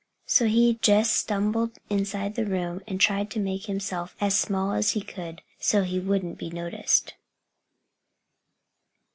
So he just stumbled inside the room and tried to make himself as small as he could, so he wouldn't be noticed.